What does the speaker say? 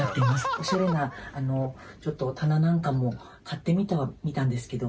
オシャレなちょっと棚なんかも買ってみたんですけど。